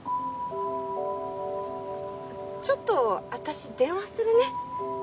ちょっと私電話するね。